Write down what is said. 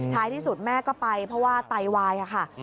ที่สุดแม่ก็ไปเพราะว่าไตวายค่ะ